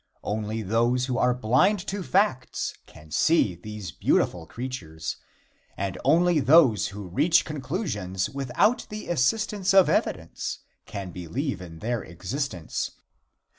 Only those who are blind to facts can see these beautiful creatures, and only those who reach conclusions without the assistance of evidence can believe in their existence.